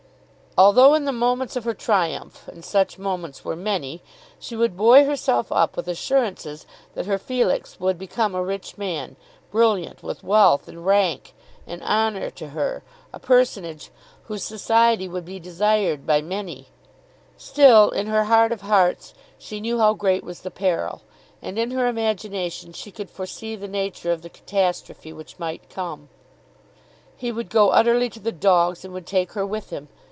Although in the moments of her triumph, and such moments were many, she would buoy herself up with assurances that her Felix would become a rich man, brilliant with wealth and rank, an honour to her, a personage whose society would be desired by many, still in her heart of hearts she knew how great was the peril, and in her imagination she could foresee the nature of the catastrophe which might come. He would go utterly to the dogs and would take her with him.